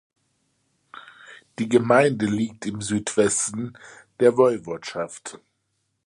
Die Gemeinde liegt im Südwesten der Woiwodschaft.